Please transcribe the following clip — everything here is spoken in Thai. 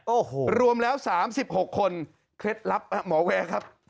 โอ้โหรวมแล้ว๓๖คนเคล็ดลับหมอแวร์ครับ